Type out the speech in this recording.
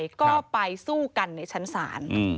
เรื่องนี้ไม่เป็นไรก็ไปสู้กันในชั้นศาล